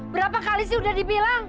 berapa kali sih udah dibilang